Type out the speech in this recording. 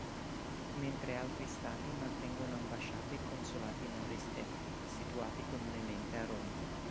Mentre altri stati mantengono ambasciate e consolati non residenti, situati comunemente a Roma.